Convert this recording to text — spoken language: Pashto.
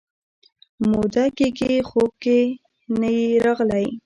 موده کېږي خوب کې هم نه یې راغلی